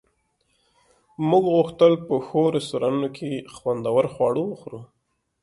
موږ غوښتل په ښو رستورانتونو کې خوندور خواړه وخورو